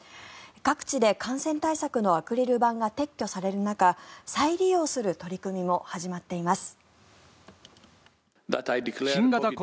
各地で感染対策のアクリル板が撤去される中再利用する取り組みも始まっています。